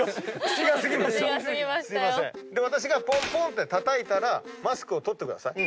私がポンポンってたたいたらマスクを取ってください。